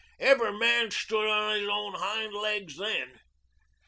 Every man stood on his own hind legs then.